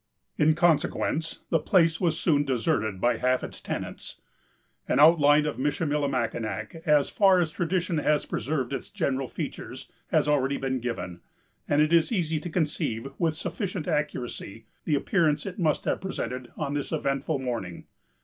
In consequence, the place was soon deserted by half its tenants. An outline of Michillimackinac, as far as tradition has preserved its general features, has already been given; and it is easy to conceive, with sufficient accuracy, the appearance it must have presented on this eventful morning.